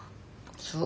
そう。